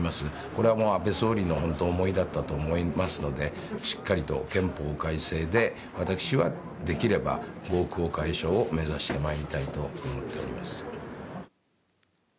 これは、もう安倍総理の思いだったと思いますのでしっかりと憲法改正で私はできれば合区解消を目指してまいりたいと思っております。